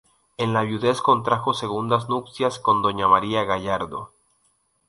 En la viudez contrajo segundas nupcias con Doña María Gallardo.